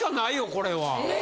これは。